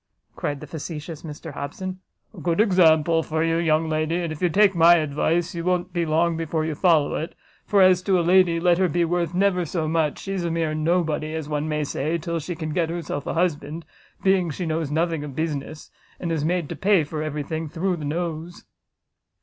cried the facetious Mr Hobson; "a good example for you, young lady; and if you take my advice, you won't be long before you follow it; for as to a lady, let her be worth never so much, she's a mere nobody, as one may say, till she can get herself a husband, being she knows nothing of business, and is made to pay for every thing through the nose."